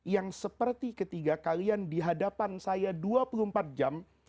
yang seperti ketiga kalian di hadapan saya dua puluh empat jam